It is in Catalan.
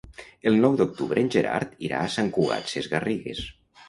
El nou d'octubre en Gerard irà a Sant Cugat Sesgarrigues.